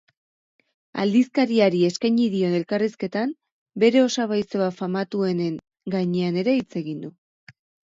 Aldizkariari eskaini dion elkarrizketan, bere osaba-izeba famatuenen gainean ere hitz egin du.